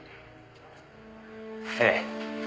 ええ。